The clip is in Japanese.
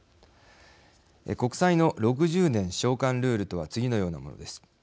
国債の６０年償還ルールとは次のようなものです。